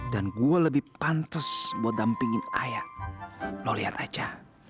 dan gue lebih pantes buat dampingin aya lo lihat aja